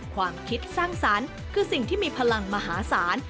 ความคิดสร้างสรรค์คือสิ่งที่มีพลังมหาศาล